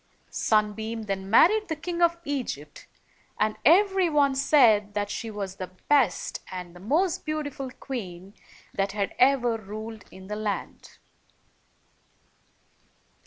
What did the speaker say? Sunbeam then married the King of Egypt, and every one said that she was the best and most beautiful queen that had ever ruled in the land.